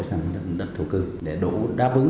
sang đất thổ cư để đủ đáp ứng